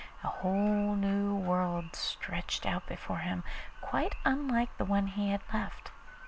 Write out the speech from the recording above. A whole new world stretched out before him, quite unlike the one he had left.